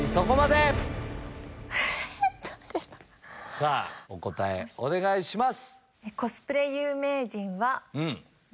さぁお答えお願いします。